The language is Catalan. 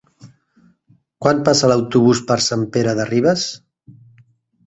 Quan passa l'autobús per Sant Pere de Ribes?